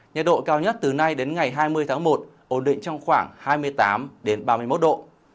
nhiệt độ cao nhất từ nay đến ngày hai mươi tháng một ổn định trong khoảng hai mươi tám ba mươi một độ